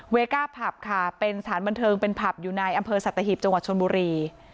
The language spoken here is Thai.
ก้าผับค่ะเป็นสถานบันเทิงเป็นผับอยู่ในอำเภอสัตหิบจังหวัดชนบุรี